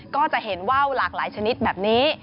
ก็จะเห็นว่าวหลากหลายชนิดแบบนี้